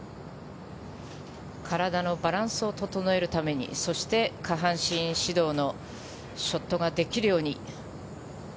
体のバランスを整えるためにそして、下半身始動のショットができるように。